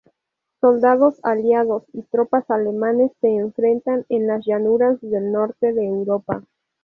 Soldados aliados y tropas alemanes se enfrentan en las llanuras del norte de Europa.